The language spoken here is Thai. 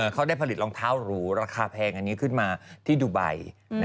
เขาได้ผลิตรองเท้าหรูราคาแพงอันนี้ขึ้นมาที่ดูไบ